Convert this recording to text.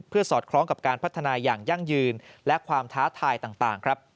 สอดคล้องกับการพัฒนาอย่างยั่งยืนและความท้าทายต่างครับ